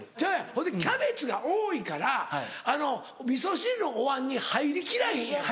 ほんでキャベツが多いからあのみそ汁のおわんに入りきらへんやん。